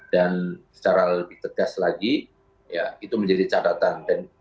dan secara lebih tegas lagi itu menjadi catatan